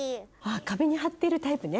壁に貼ってるタイプね。